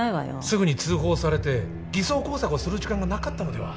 すぐに通報されて偽装工作をする時間がなかったのでは？